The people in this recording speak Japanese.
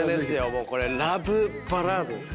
もうこれラブバラードですから。